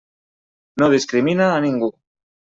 No discrimina a ningú.